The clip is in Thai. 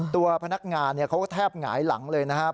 ตัวพนักงานเขาก็แทบหงายหลังเลยนะครับ